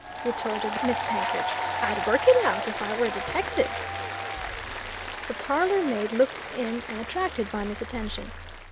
retorted Miss Penkridge. "I'd work it out, if I were a detective!" The parlour maid looked in and attracted Viner's attention. "Mr.